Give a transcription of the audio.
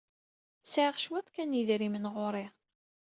Sɛiɣ cwiṭ kan n yedrimen ɣer-i.